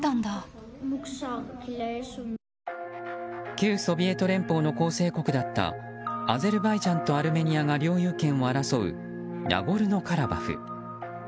旧ソビエト連邦の構成国だったアゼルバイジャンとアルメニアが領有権を争うナゴルノカラバフ。